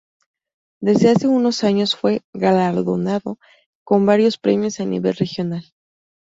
Desde hace unos años fue galardonado con varios premios a nivel regional.